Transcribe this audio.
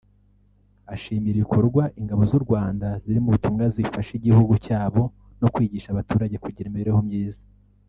ashimira ibikorwa ingabo z’u Rwanda ziri mu butumwa zifasha igihugu cyabo no kwigisha abaturage kugira imibereho myiza